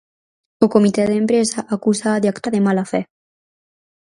O comité de empresa acúsaa de actuar de mala fe.